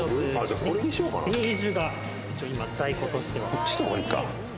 こっちの方がいいか。